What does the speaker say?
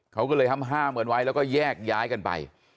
เขาก็เลยห้ามกันไว้แล้วก็แยกย้ายกันไป